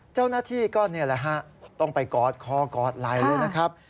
เจ้าหน้าที่ก็ต้องไปกอดคอกอดไลน์นะครับ